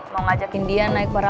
mau ngajakin dia naik putri ke puncak